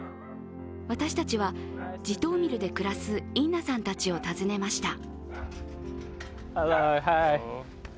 私たちはジトーミルで暮らすインナさんたちを訪ねました。